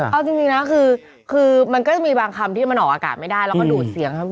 เอาจริงนะคือมันก็จะมีบางคำที่มันออกอากาศไม่ได้แล้วก็ดูดเสียงครับ